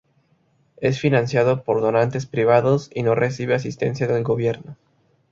Es financiado por donantes privados y no recibe asistencia del gobierno.